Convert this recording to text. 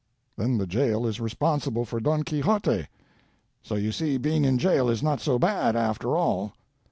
Then the jail is responsible for "Don Quixote," so you see being in jail is not so bad, after all.